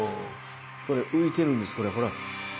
これ浮いてるんですほら。